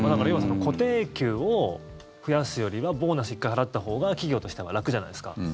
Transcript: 要は固定給を増やすよりはボーナス１回払ったほうが企業としては楽じゃないですか。